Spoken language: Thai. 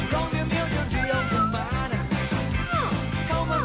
ก็เลี้ยงเธอเลี้ยงมาน่ะ